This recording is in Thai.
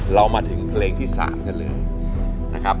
เรามาถึงเพลงที่๓กันเลยนะครับ